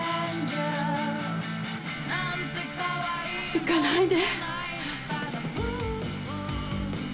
行かないで。